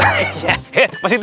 hei pak siti ya